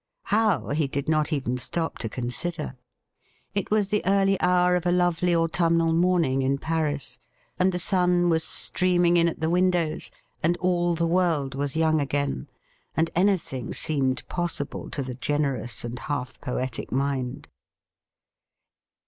How, he did not even stop to consider. It w£is the early hour of a lovely autumnal morning in Paris, and the sun was streaming in at the windows, and all the world was young again, and anything seemed possible to the generous and half poetic mind.